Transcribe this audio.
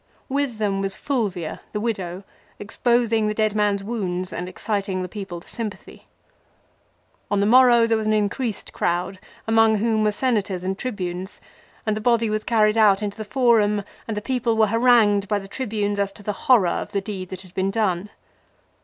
With them was Fulvia, the widow, exposing the dead man's wounds and exciting the people to sympathy. On the morrow there was an increased crowd, among whom were Senators and Tribunes, and the body was carried out into the Forum and the people were harangued by the Tribunes as to the horror of the deed that had been done.